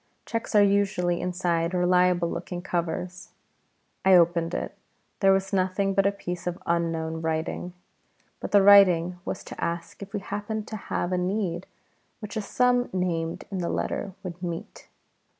Cheques are usually inside reliable looking covers. I opened it. There was nothing but a piece of unknown writing. But the writing was to ask if we happened to have a need which a sum named in the letter would meet.